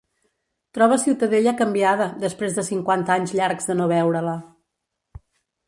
Troba Ciutadella canviada, després de cinquanta anys llargs de no veure-la.